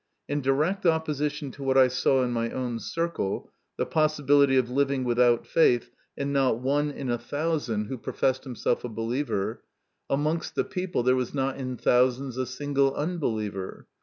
In direct opposition to what I saw in my own circle the possibility of living without faith, and not one in a thousand who MY CONFESSION. 99 professed himself a believer amongst the people there was not in thousands a single unbeliever.